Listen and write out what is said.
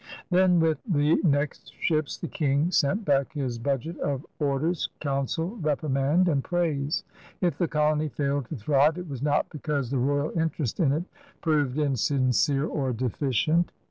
Then with the next ships the King sent back his budget of orders, counsel, reprimand, and praise. If the colony failed to thrive, it was not because the royal interest in it proved insincere or deficient.